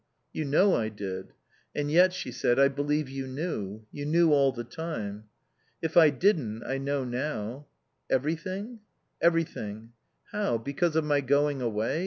"You know I did." "And yet," she said, "I believe you knew. You knew all the time." "If I didn't, I know now." "Everything?" "Everything." "How? Because of my going away?